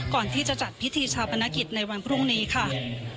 ก่อนที่จะจัดพิธีชาปนกิจในวันพรุ่งนี้ค่ะ